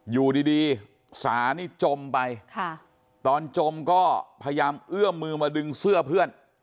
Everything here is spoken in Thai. อยู่ดีสานี่จมไปตอนจมก็พยายามเอื้อมมือมาดึงเสื้อเพื่อน